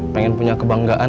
pengen punya kebanggaan